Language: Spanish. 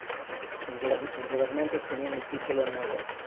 Los gobernantes tenían el título "Nawab".